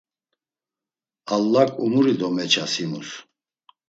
Allak umuri to meças himus.